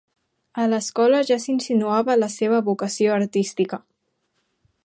A l'escola ja s'insinuava la seva vocació artística.